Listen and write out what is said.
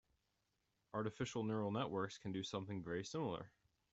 Artificial neural networks can do something very similar.